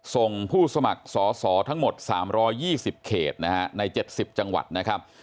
ส่งผู้สมัครสอสอทั้งหมด๓๒๐เขตนะฮะใน๗๐จังหวัดนะครับ